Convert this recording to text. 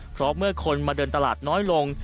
เพราะเมื่อคนมาเดินตลาดน้อยลง